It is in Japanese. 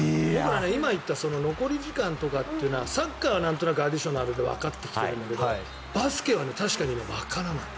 今、言った残り時間というのはサッカーはなんとなくアディショナルでわかると思うんだけどバスケは確かにわからない。